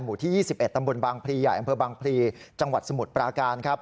ที่๒๑ตำบลบางพลีใหญ่อำเภอบางพลีจังหวัดสมุทรปราการครับ